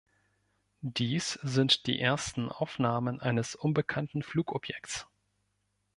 Dies sind die ersten Aufnahmen eines unbekannten Flugobjekts.